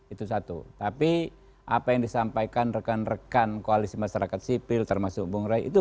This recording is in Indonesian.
itu satu tapi apa yang disampaikan rekan rekan koalisi masyarakat sipil termasuk bung rai itu